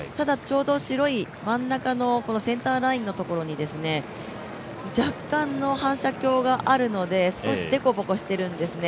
白い真ん中のセンターラインのところに、若干の反射鏡があるので、少しでこぼこしているんですね。